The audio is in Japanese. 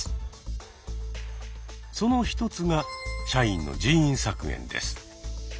その一つが社員の人員削減です。